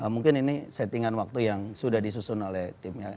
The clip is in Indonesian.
mungkin ini settingan waktu yang sudah disusun oleh tim ya